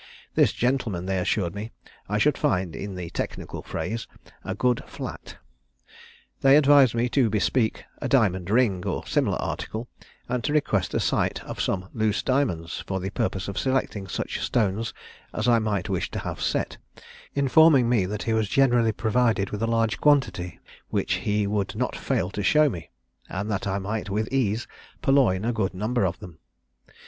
This gentleman, they assured me, I should find, in the technical phrase, a good flat. They advised me to bespeak a diamond ring, or similar article, and to request a sight of some loose diamonds, for the purpose of selecting such stones as I might wish to have set, informing me that he was generally provided with a large quantity, which he would not fail to show me, and that I might with ease purloin a good number of them.